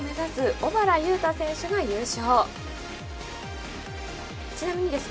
小原佑太選手が優勝。